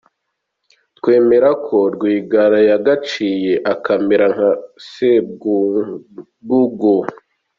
Twemere ko Rwigara yagaciye akamera nka Sebwugugu.